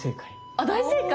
あ大正解